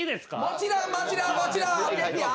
もちろんもちろんもちろんいいですよ。